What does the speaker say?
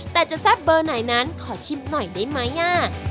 แต่จะแซ่บเบอร์ไหนนั้นขอชิมหน่อยได้ไหม